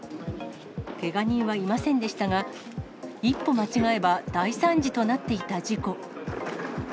けが人はいませんでしたが、一歩間違えば大惨事となっていた事故。